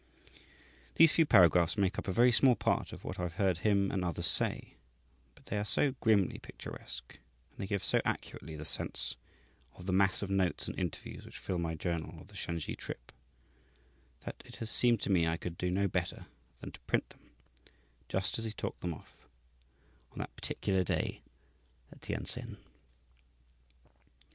These few paragraphs make up a very small part of what I have heard him and others say, but they are so grimly picturesque, and they give so accurately the sense of the mass of notes and interviews which fill my journal of the Shansi trip, that it has seemed to me I could do no better than to print them just as he talked them off on that particular day at Tientsin.